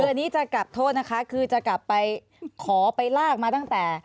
อันนี้จะกลับโทษนะคะคือจะกลับไปขอไปลากมาตั้งแต่